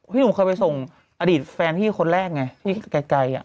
หนุ่มเคยไปส่งอดีตแฟนพี่คนแรกไงที่ไกล